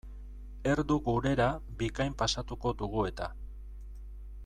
Erdu gurera bikain pasatuko dugu eta.